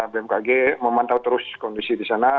bmkg memantau terus kondisi di sana